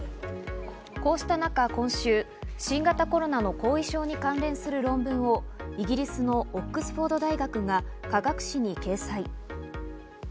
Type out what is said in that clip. こうした中、今週新型コロナの後遺症に関連する論文をイギリスのオックスフォード大学が科学誌に掲載。